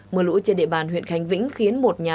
mưa lũ trên địa bàn huyện khánh vĩnh khiến một nhà